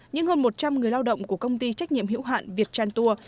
nhưng hơn một trăm linh người lao động của công ty trách nhiệm hiệu hạn việt trang tua